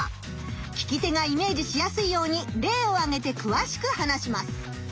聞き手がイメージしやすいようにれいをあげてくわしく話します。